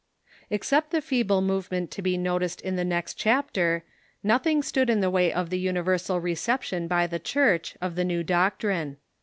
Except the feeble movement to be noticed in the next chap ter, nothing stood in the Avay of the universal reception by the Church of the new doctrine.